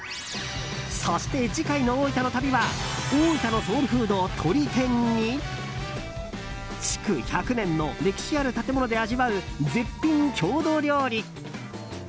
そして次回の大分の旅は大分のソウルフードとり天に築１００年の歴史ある建物で味わう絶品郷土料理。